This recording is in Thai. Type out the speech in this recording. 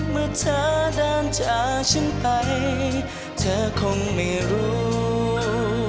เมื่อเธอเดินจากฉันไปเธอคงไม่รู้